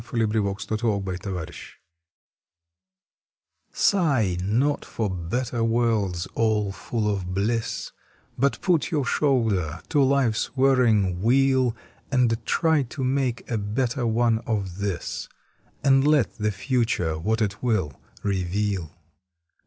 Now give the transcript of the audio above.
June Eighteenth SIGH NOT OIGH not for better worlds all full of bliss, But put your shoulder to life s whir ring wheel And try to make a better one of this, And let the future what it will reveal.